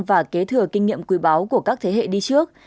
và kế thừa kinh nghiệm quý báu của các thế hệ đi trước